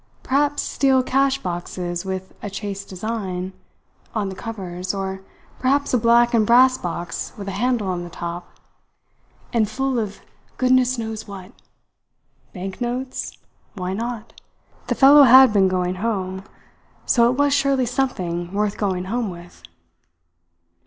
Perhaps steel cash boxes with a chased design, on the covers; or perhaps a black and brass box with a handle on the top, and full of goodness knows what. Bank notes? Why not? The fellow had been going home; so it was surely something worth going home with.